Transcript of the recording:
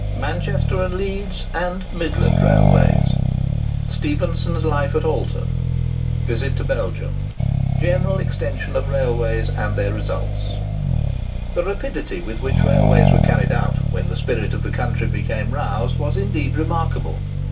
MANCHESTER AND LEEDS, AND MIDLAND RAILWAYS—STEPHENSON'S LIFE AT ALTON—VISIT TO BELGIUM—GENERAL EXTENSION OF RAILWAYS AND THEIR RESULTS. The rapidity with which railways were carried out, when the spirit of the country became roused, was indeed remarkable.